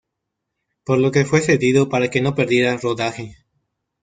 Por lo que fue cedido para que no perdiera rodaje.